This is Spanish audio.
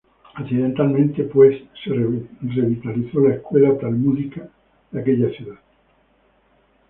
Accidentalmente, pues, se revitalizó la escuela talmúdica de aquella ciudad.